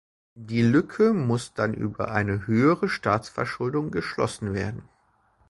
Die Lücke muss dann über eine höhere Staatsverschuldung geschlossen werden.